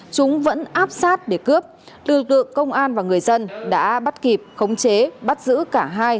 chúng vẫn áp sát để cướp lực lượng công an và người dân đã bắt kịp khống chế bắt giữ cả hai